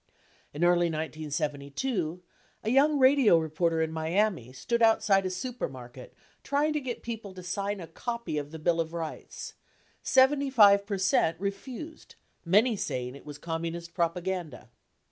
In early 1972, a young radio reporter in Miami stood outside a supermarket trying to get people to sign a copy of the bill of Rights. Seventy five percent refused, many saying it was Com munist propaganda.